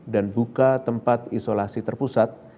dan buka tempat isolasi terpusat